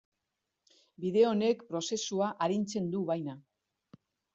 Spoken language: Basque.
Bide honek prozesua arintzen du, baina.